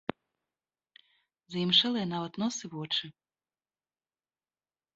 Заімшэлыя нават нос і вочы.